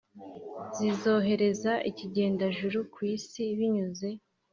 zizohereza ikigendajuru kwisi binyuze